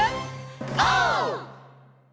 オー！